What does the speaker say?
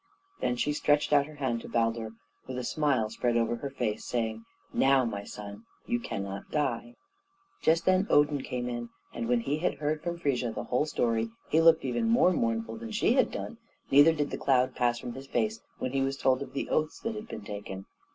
Then she stretched out her hand to Baldur, while a smile spread over her face, saying, "Now, my son, you cannot die." Just then Odin came in, and when he had heard from Frigga the whole story, he looked even more mournful than she had done; neither did the cloud pass from his face when he was told of the oaths that had been taken.